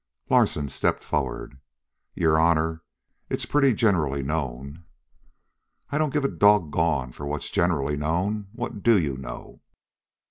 Larsen stepped forward. "Your honor, it's pretty generally known " "I don't give a doggone for what's generally known. What d'you know?"